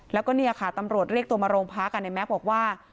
แล้วก็เนี่ยค่ะตำรวจเรียกตัวมาโรงพักในแม็กซ์บอกว่า